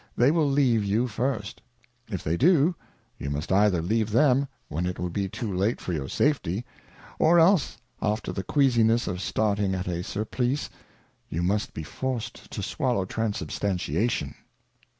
they_will leave ymi .firs.t.; i£_JJa£y_do^_yo]^ must either leave them, when it will be too kte fo r your Safety , or else after the queazimesaloL starting at^ SurpUce, you must be forcecTto swallow Transubstantiation.